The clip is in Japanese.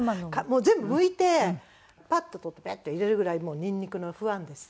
もう全部むいてパッと取ってペッて入れるぐらいニンニクのファンです。